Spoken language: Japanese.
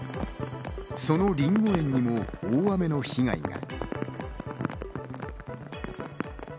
そのりんご園にも大雨の被害が。